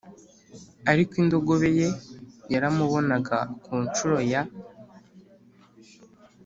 ariko indogobe ye yaramubonaga Ku ncuro ya